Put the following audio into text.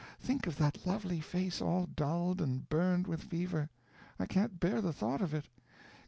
Think of that lovely face all dulled and burned with fever. I can't bear the thought of it.